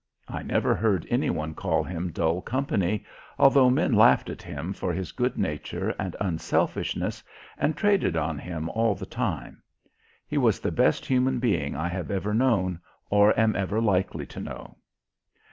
I never heard any one call him dull company, although men laughed at him for his good nature and unselfishness and traded on him all the time. He was the best human being I have ever known or am ever likely to know.